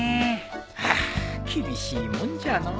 はあ厳しいもんじゃのう。